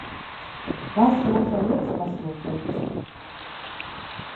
Вас, можа, лепш паслухаюць.